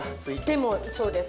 手もそうです。